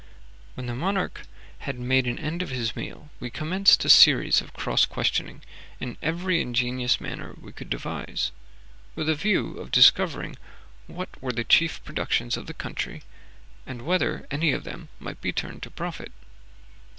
When the monarch had made an end of his meal, we commenced a series of cross questioning in every ingenious manner we could devise, with a view of discovering what were the chief productions of the country, and whether any of them might be turned to profit.